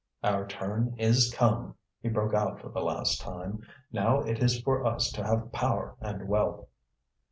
"Our turn is come," he broke out for the last time. "Now it is for us to have power and wealth!"